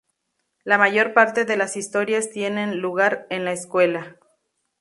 La mayor parte de las historias tienen lugar en la escuela.